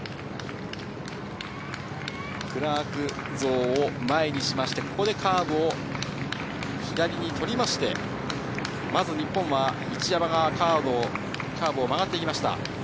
クラーク像を前にしましてここでカーブを左にとりましてまず、日本は一山がカーブを曲がっていきました。